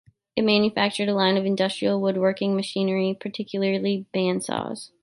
It manufactured a line of industrial woodworking machinery, particularly band saws.